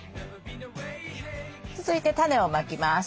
続いてタネをまきます。